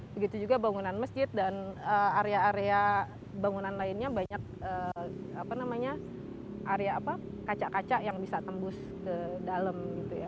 begitu juga bangunan masjid dan area area bangunan lainnya banyak kaca kaca yang bisa tembus ke dalam